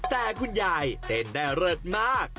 แต่คุณยายเต้นได้เลิศมาก